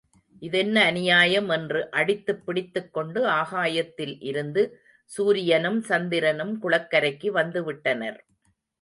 இதென்ன அநியாயம் என்று அடித்துப் பிடித்துக்கொண்டு ஆகாயத்தில் இருந்து சூரியனும் சந்திரனும் குளக்கரைக்கு வந்து விட்டனர்.